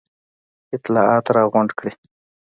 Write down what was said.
اطلاعات را غونډ کړي.